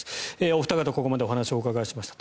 お二方にここまでお話をお伺いしました。